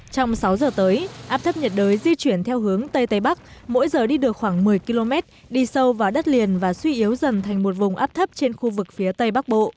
trong sáu giờ tới áp thấp nhiệt đới di chuyển theo hướng tây tây bắc mỗi giờ đi được khoảng một mươi km đi sâu vào đất liền và suy yếu dần thành một vùng áp thấp trên khu vực phía tây bắc bộ